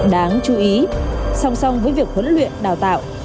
đáng chú ý song song với việc huấn luyện đào tạo